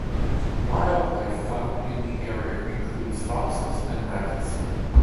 Wildlife found in the area includes foxes and rabbits.